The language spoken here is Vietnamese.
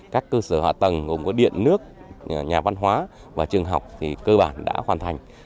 các cơ sở hạ tầng gồm có điện nước nhà văn hóa và trường học thì cơ bản đã hoàn thành